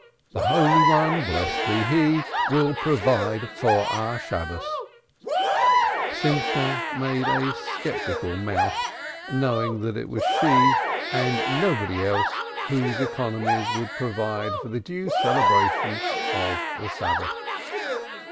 "The Holy One, blessed be He, will provide for our Shabbos" Simcha made a sceptical mouth, knowing that it was she and nobody else whose economies would provide for the due celebration of the Sabbath.